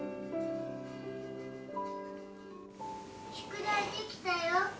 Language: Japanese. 宿題できたよ。